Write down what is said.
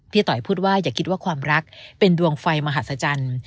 ต่อยพูดว่าอย่าคิดว่าความรักเป็นดวงไฟมหัศจรรย์